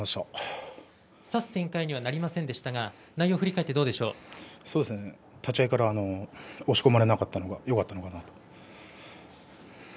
差す展開にはなりませんでしたが立ち合いから押し込まれなかったのがよかったのかなと思います。